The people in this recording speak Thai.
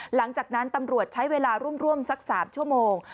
หลังจากนั้นตำรวจใช้เวลาร่วมสัก๓ชั่วโมง